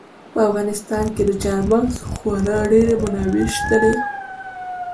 په افغانستان کې د چار مغز خورا ډېرې منابع شته دي.